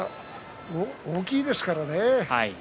大きいですからね。